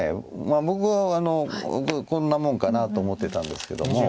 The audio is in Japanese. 僕こんなもんかなと思ってたんですけども。